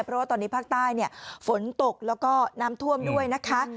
เพราะว่าตอนนี้ภาคใต้ฝนตกแล้วก็น้ำท่วมด้วยนะคะ